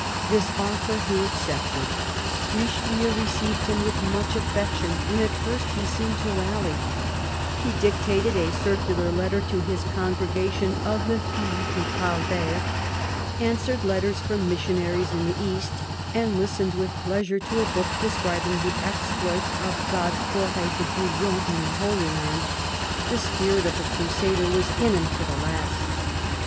This offer he accepted. Richelieu received him with much affection, and at first he seemed to rally : he dictated a circular letter to his congregation of the Filles du Calvaire, answered letters from missionaries in the East, and listened with pleasure to a book describing the exploits of Godefory de Bouillon in the Holy Land ; the spirit of a crusader was in him to the last.